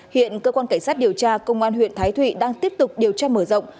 hiện cơ quan cảnh sát điều tra công an huyện thái thụy đang tiếp tục điều tra mở rộng